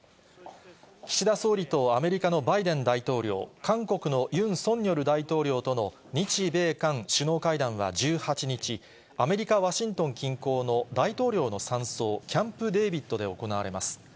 岸田総理とアメリカのバイデン大統領、韓国のユン・ソンニョル大統領との日米韓首脳会談は１８日、アメリカ・ワシントン近郊の大統領の山荘、キャンプ・デービッドで行われます。